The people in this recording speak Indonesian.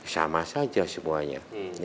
sama saja semuanya